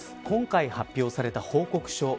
今回、発表された報告書